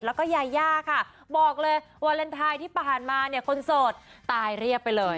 แล้วก็ยาย่าค่ะบอกเลยวาเลนไทยที่ผ่านมาเนี่ยคนโสดตายเรียบไปเลย